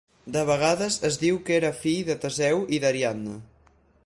De vegades es diu que era fill de Teseu i d'Ariadna.